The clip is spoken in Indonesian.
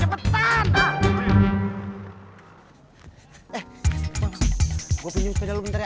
eh bang gua pinjam sepeda lu bentar ya